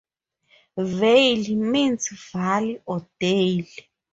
"Vale" means valley or dale.